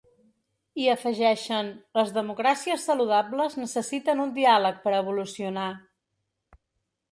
I afegeixen: ‘Les democràcies saludables necessiten un diàleg per evolucionar’.